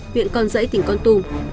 huyện con dãy tỉnh con tùm